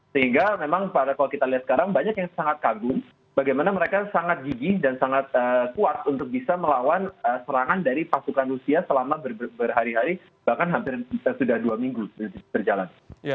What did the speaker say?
sehingga memang kalau kita lihat sekarang banyak yang sangat kagum bagaimana mereka sangat gigi dan sangat kuat untuk bisa melawan serangan dari pasukan rusia selama berhari hari bahkan hampir sudah dua minggu berjalan